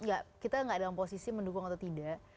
ya kita nggak dalam posisi mendukung atau tidak